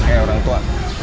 eh orang tua